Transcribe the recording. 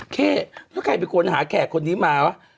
เข้แล้วใครเป็นคนหาแขกคนนี้มาวะ